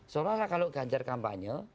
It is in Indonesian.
seolah olah kalau ganjar kampanye